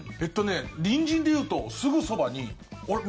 隣人で言うとすぐそばにあれ？